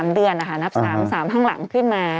๓เดือนนะคะนับ๓ข้างหลังขึ้นมา